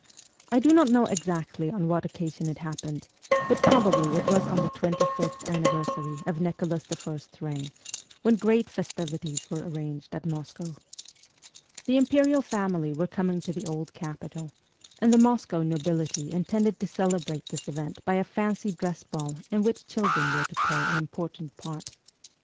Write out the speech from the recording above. I do not know exactly on what occasion it happened, but probably it was on the twenty fifth anniversary of Nicholas I.'s reign, when great festivities were arranged at Moscow. The imperial family were coming to the old capital, and the Moscow nobility intended to celebrate this event by a fancy dress ball in which children were to play an important part.